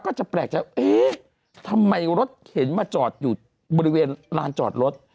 ก็จะแปลกใจว่าเอ๊ะทำไมรถเข็นมาจอดอยู่บริเวณลานจอดรถ